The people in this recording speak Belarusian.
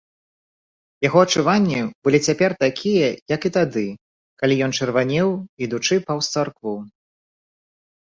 Яго адчуванні былі цяпер такія, як і тады, калі ён чырванеў, ідучы паўз царкву.